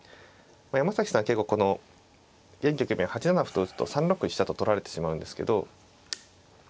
山崎さん結構この現局面８七歩と打つと３六飛車と取られてしまうんですけど。